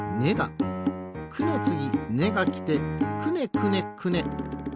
「く」のつぎ「ね」がきてくねくねくね。